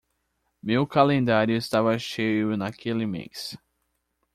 Meu calendário estava cheio naquele mês.